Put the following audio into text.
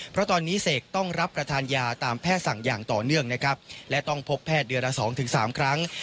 เพราะตอนนี้เสกต้องรับประทานยาตามแพทย์สั่งอย่างต่อเนื่องนะครับและต้องพบแพทย์เดือนละ๒๓ครั้ง